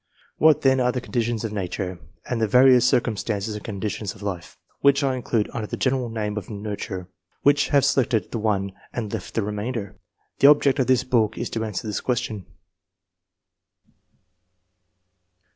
What then are the conditions of nature, and the various circumstances and conditions of life, — which I include under the general name of nurture, — which have selected that one and left the remainder? The object of this book is to answer this question.